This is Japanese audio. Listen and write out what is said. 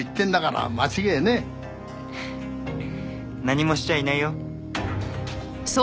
何もしちゃいないよ。